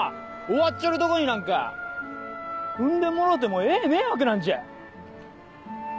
終わっちょるとこになんか産んでもろうてもええ迷惑なんじゃ。